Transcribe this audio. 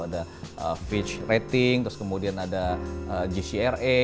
ada fitch rating terus kemudian ada gcra